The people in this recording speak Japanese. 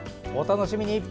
お楽しみに。